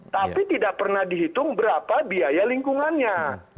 tapi tidak pernah dihitung berapa biaya lingkungannya